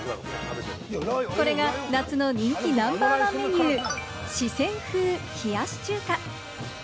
これが夏の人気ナンバーワンメニュー、四川風冷やし中華。